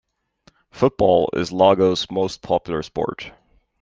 Football is Lagos' most popular sport.